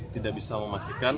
tidak bisa memastikan